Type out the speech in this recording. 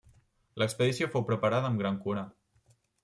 L'expedició fou preparada amb gran cura.